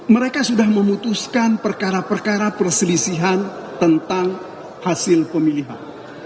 mereka sudah memutuskan perkara perkara perselisihan tentang hasil pemilihan